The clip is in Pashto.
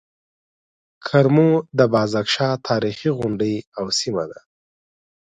کرمو د بازک شاه تاريخي غونډۍ او سيمه ده.